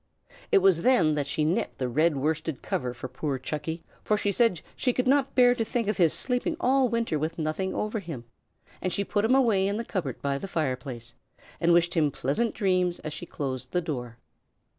It was then that she knit the red worsted cover for poor Chucky, for she said she could not bear to think of his sleeping all winter with nothing over him; and she put him away in the cupboard by the fireplace, and wished him pleasant dreams as she closed the door.